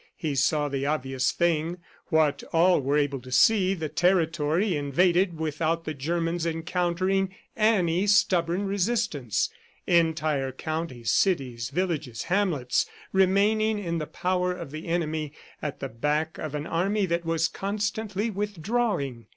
He saw the obvious thing, what all were able to see the territory invaded without the Germans encountering any stubborn resistance; entire counties, cities, villages, hamlets remaining in the power of the enemy, at the back of an army that was constantly withdrawing.